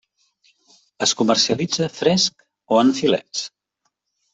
Es comercialitza fresc o en filets.